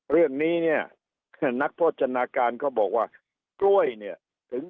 เรื่องนี้เนี่ยนักโภชนาการเขาบอกว่ากล้วยเนี่ยถึง